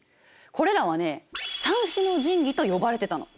これらはね三種の神器と呼ばれてたの。